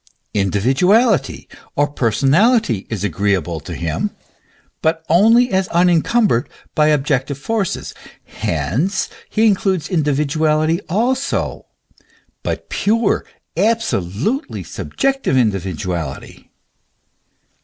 Individuality or per sonality is agreeable to him, but only as unencumbered by objective forces ; hence, he includes individuality also, but pure, absolutely subjective individuality.